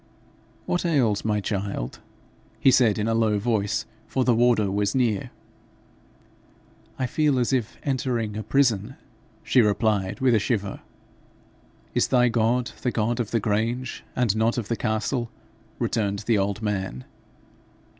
'What ails my child?' he said in a low voice, for the warder was near. 'I feel as if entering a prison,' she replied, with a shiver. 'Is thy God the God of the grange and not of the castle?' returned the old man.